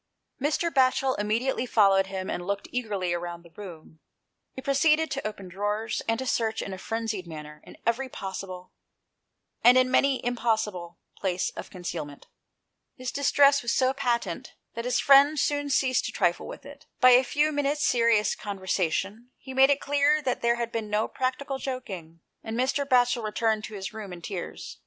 171 GHOST TAIiES. Mr. Batchel immediately followed him, and looked eagerly round the room. He proceeded to open drawers, and to search, in a frenzied manner, in every possible, and in many an impossible, place of concealment. His distress was so patent that his friend soon ceased to trifle with it. By a few minutes serious con versation he made it clear that there had been no practical joking, and Mr. Batchel returned to his room in tears.